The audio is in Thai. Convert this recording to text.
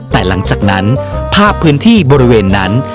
แต่หลังจากนั้นภาพพื้นที่บริเวณนั้น